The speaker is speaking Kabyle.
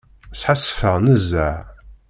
Sḥassfeɣ nezzeh.